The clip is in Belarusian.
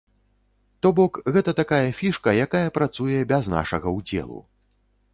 То бок, гэта такая фішка, якая працуе без нашага ўдзелу.